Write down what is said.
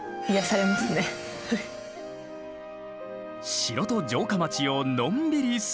城と城下町をのんびり散策。